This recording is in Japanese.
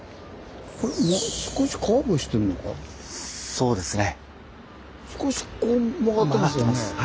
そうですね。